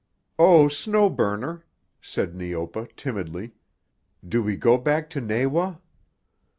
"Oh, Snow Burner," said Neopa timidly, "do we go back to Nawa?"